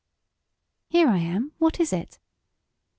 "Here I am. What is it?"